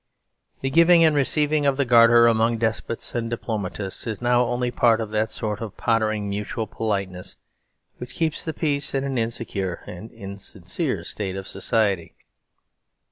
The giving and receiving of the Garter among despots and diplomatists is now only part of that sort of pottering mutual politeness which keeps the peace in an insecure and insincere state of society.